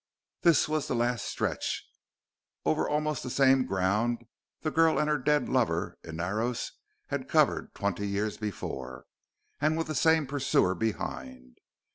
This was the last stretch, over almost the same ground the girl and her dead lover, Inaros, had covered twenty years before and with the same pursuer behind.